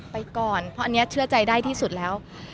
ไปก่อนเพราะอันนี้เชื่อใจได้ที่สุดแล้ว